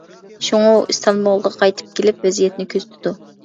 شۇڭا ئۇ ئىستانبۇلغا قايتىپ كېلىپ، ۋەزىيەتنى كۆزىتىدۇ.